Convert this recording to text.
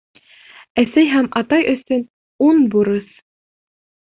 Әсәй һәм атай өсөн ун бурыс